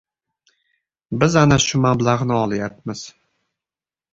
Biz ana shu mablagʻni olyapmiz.